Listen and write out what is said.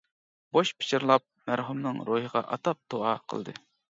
بوش پىچىرلاپ، مەرھۇمنىڭ روھىيغا ئاتاپ دۇئا قىلدى.